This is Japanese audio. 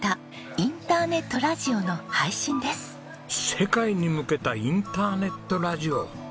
世界に向けたインターネットラジオ！